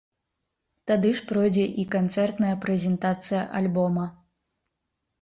Тады ж пройдзе і канцэртная прэзентацыя альбома.